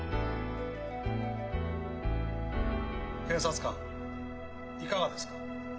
検察官いかがですか？